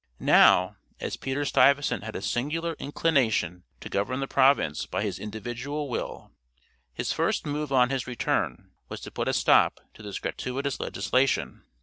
Now, as Peter Stuyvesant had a singular inclination to govern the province by his individual will, his first move on his return, was to put a stop to this gratuitous legislation.